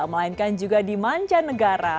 melainkan juga di mancanegara